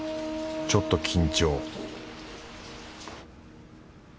ちょっと緊張